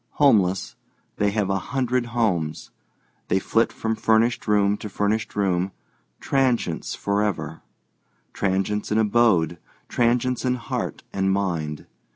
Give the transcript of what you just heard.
Homeless, they have a hundred homes. They flit from furnished room to furnished room, transients forever—transients in abode, transients in heart and mind.